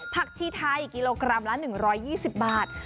ชีไทยกิโลกรัมละ๑๒๐บาท